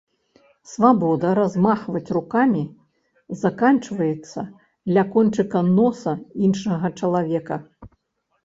Свабода размахваць рукамі заканчваецца ля кончыка носа іншага чалавека.